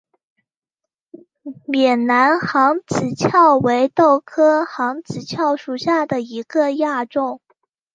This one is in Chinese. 缅南杭子梢为豆科杭子梢属下的一个亚种。